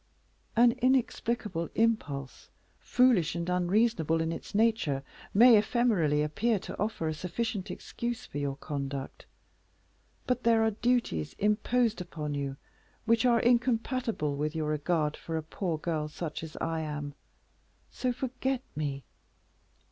"An inexplicable impulse, foolish and unreasonable in its nature, may ephemerally appear to offer a sufficient excuse for your conduct; but there are duties imposed upon you which are incompatible with your regard for a poor girl such as I am. So, forget me."